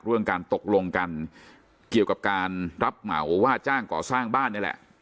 เรื่องการตกลงกันเกี่ยวกับการรับเหมาว่าจ้างก่อสร้างบ้านนี่แหละ